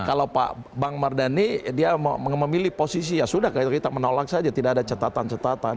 kalau pak bang mardhani dia memilih posisi ya sudah kita menolak saja tidak ada catatan catatan